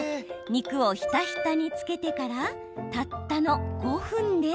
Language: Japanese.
肉をひたひたに、漬けてからたったの５分で。